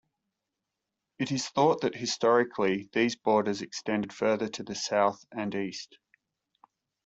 It is thought that historically these borders extended further to the south and east.